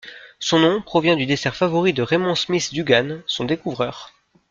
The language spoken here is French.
Son nom provient du dessert favori de Raymond Smith Dugan, son découvreur.